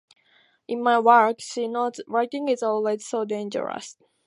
"In my work", she notes "writing is always so dangerous.